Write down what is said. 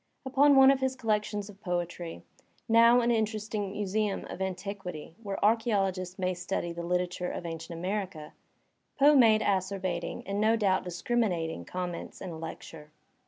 Upon one of his collections of poetry — now an interesting museum of antiquity where archaeologists may study the Uterature of ancient America — Poe made acerbating, and no doubt discriminating, comments in a lecture.